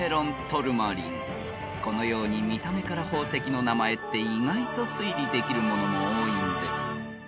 ［このように見た目から宝石の名前って意外と推理できるものも多いんです］